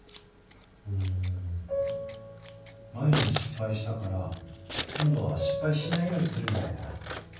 うん前に失敗したから今度は失敗しないようにするんじゃないかな。